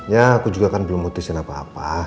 ya aku juga kan belum memutuskan apa apa